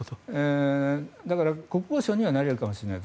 だから国防相にはなれるかもしれません。